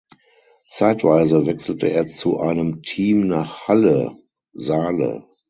Zeitweise wechselte er zu einem Team nach Halle (Saale).